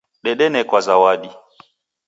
Dedenekwa zawadi.